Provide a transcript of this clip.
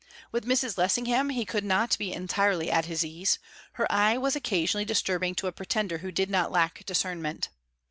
With Mrs. Lessingham he could not be entirely at his ease; her eye was occasionally disturbing to a pretender who did not lack discernment.